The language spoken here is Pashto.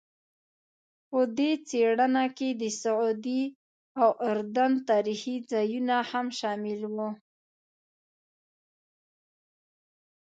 په دې څېړنه کې د سعودي او اردن تاریخي ځایونه هم شامل وو.